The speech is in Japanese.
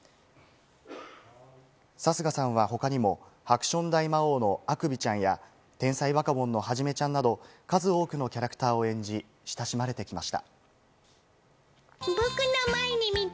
貴家さんは他にも『ハクション大魔王』のアクビちゃんや、『天才バカボン』のハジメちゃんなど数多くのキャラクターを演じ、親しまれてきました。